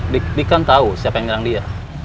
dik dik kan tahu siapa yang nyerang dia